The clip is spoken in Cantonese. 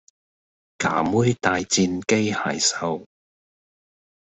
㗎妹大戰機械獸